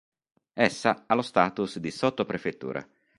Essa ha lo "status" di sottoprefettura.